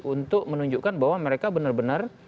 untuk menunjukkan bahwa mereka benar benar